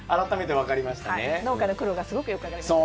農家の苦労がすごくよく分かりますね。